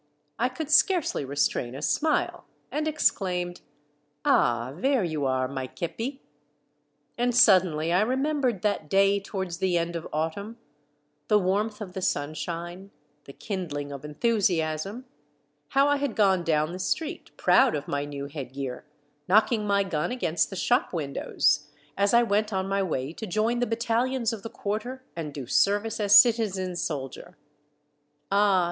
I could scarcely restrain a smile, and exclaimed, —" Ah ! There you are, my kepi." And suddenly I remembered that day towards the end of autumn, the warmth of the sunshine, the kindhng of enthusiasm, — how I had gone down the street, proud of my new head gear, knocking my gun against the shop windows, as I went on my way to join the battalions of the Quarter and do service as citizen soldier ! Ah